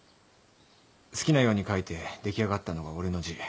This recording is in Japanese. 好きなように書いて出来上がったのが俺の字。